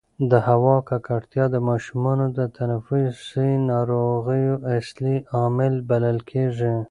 د هوا ککړتیا د ماشومانو د تنفسي ناروغیو اصلي عامل بلل کېږي.